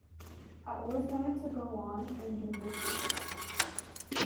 I always wanted to go on and do different things.